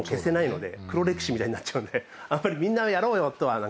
黒歴史みたいになっちゃうんであんまりみんなやろうよとは。